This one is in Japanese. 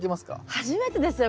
初めてですよ